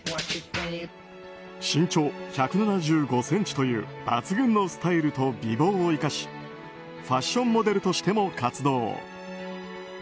身長１７５ｃｍという抜群のスタイルと美貌を生かしファッションモデルとしても活動。